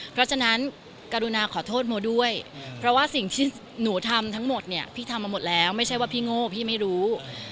เพราะฉะนั้นกรุณาขอโทษโมด้วยเพราะว่าสิ่งที่หนูทำทั้งหมดเนี่ยพี่ทำมาหมดแล้วไม่ใช่ว่าพี่โง่พี่ไม่รู้